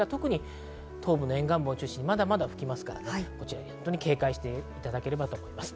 東部の沿岸部を中心にまだまだ吹きますから、警戒していただければと思います。